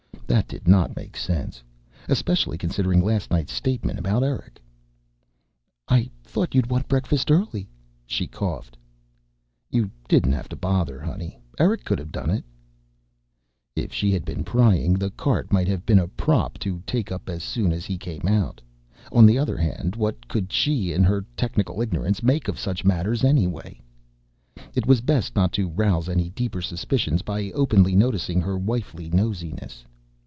That did not make sense, especially considering last night's statement about Eric. "I thought you'd want breakfast early," she coughed. "You didn't have to bother, honey. Eric could have done it." If she had been prying, the cart might have been a prop to take up as soon as he came out. On the other hand, what could she in her technical ignorance make of such matters anyway? It was best not to rouse any deeper suspicions by openly noticing her wifely nosiness.